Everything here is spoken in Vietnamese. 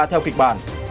theo kịch bản